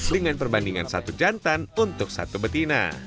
dengan perbandingan satu jantan untuk satu betina